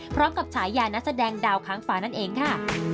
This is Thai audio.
พร้อมกับฉายานัดแสดงดาวค้างฝานั่นเองค่ะ